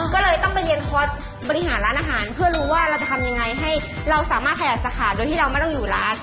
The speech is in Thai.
ก็เลยต้องไปเรียนคอร์สบริหารร้านอาหารเพื่อรู้ว่าเราจะทำยังไงให้เราสามารถขยายสาขาโดยที่เราไม่ต้องอยู่ร้าน